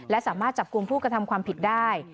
และสามารถจับกลุ่มผู้กระทำความผิดได้